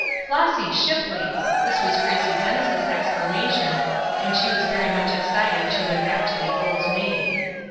"Flossy Shipley!" This was Gracie Dennis' exclamation; when she was very much excited, she went back to the old name.